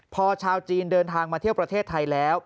พอชาวจีนเดินทางมาเที่ยวประเทศไทยแล้ว